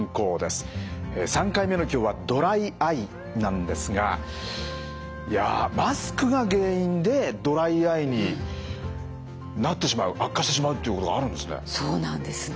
３回目の今日はドライアイなんですがいやマスクが原因でドライアイになってしまう悪化してしまうっていうことがあるんですね。